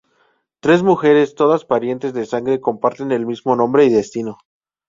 Tres mujeres, todas parientes de sangre, comparten el mismo nombre y destino.